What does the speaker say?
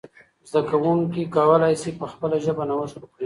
زده کوونکي کولای سي په خپله ژبه نوښت وکړي.